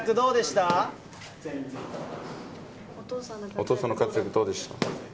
お父さんの活躍どうでした？